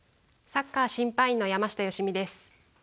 サッカー審判員の山下良美です。